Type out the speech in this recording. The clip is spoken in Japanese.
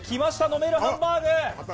飲めるハンバーグ。